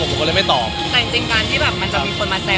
แต่จริงการที่แบบมันจะมีคนมาแซว